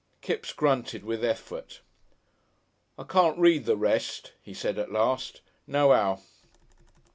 Kipps grunted with effort. "I can't read the rest," he said at last, "nohow."